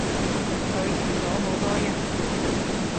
佢遇到好多人